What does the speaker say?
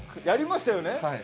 やりましたよね。